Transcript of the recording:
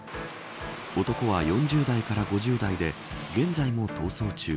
男は４０代から５０代で現在も逃走中。